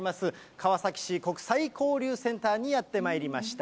川崎市国際交流センターにやってまいりました。